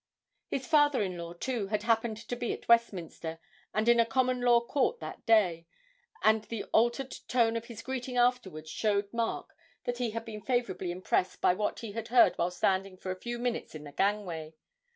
His father in law, too, had happened to be at Westminster, and in a Common Law court that day; and the altered tone of his greeting afterwards showed Mark that he had been favourably impressed by what he had heard while standing for a few minutes in the gangway.